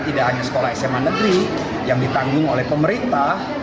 tidak hanya sekolah sma negeri yang ditanggung oleh pemerintah